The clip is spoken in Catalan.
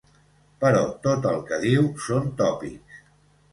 Però tot el que diu són tòpics.